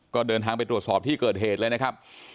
ก็เดินทางไปตรวจสอบที่เกิดเหตุเลยนะครับ